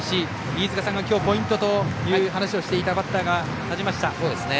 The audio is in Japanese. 飯塚さんが今日ポイントと話していたバッターが立ちました。